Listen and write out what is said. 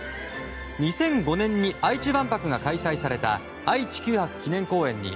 ２００５年に愛知万博が開催された愛・地球博記念公園に